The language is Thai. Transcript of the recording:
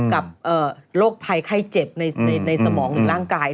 กับโรคภัยไข้เจ็บในสมองหรือร่างกาย